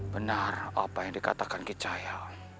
benar apa yang dikatakan kicaya